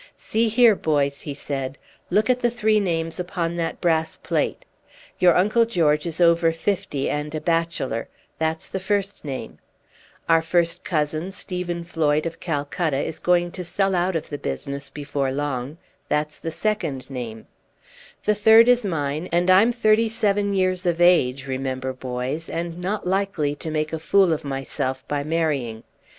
"See there, boys," he said: "look at the three names upon that brass plate. Your uncle George is over fifty, and a bachelor that's the first name; our first cousin, Stephen Floyd, of Calcutta, is going to sell out of the business before long that's the second name; the third is mine, and I'm thirty seven years of age, remember, boys, and not likely to make a fool of myself by marrying.